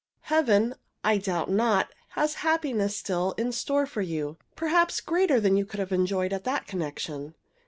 Heaven, I doubt not, has happiness still in store for you perhaps greater than you could have enjoyed in that connection.